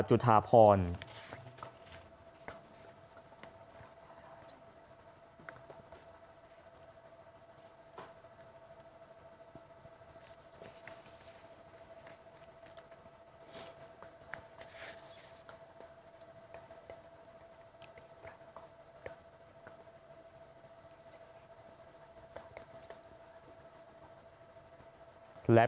พระเจ้าหลานเธอพระองค์เจ้าอธิตยธรรมกิติคุณ